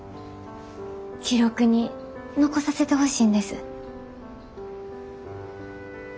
記録に残させてほしいんです。